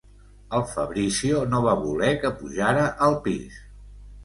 El Fabrizio no va voler que pujara al pis.